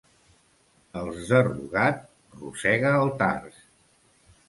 Els de Rugat, rosegaaltars.